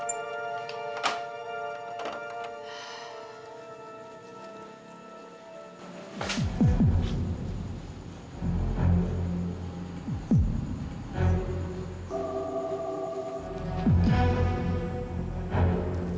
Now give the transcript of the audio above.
aku sudah mencintai kamila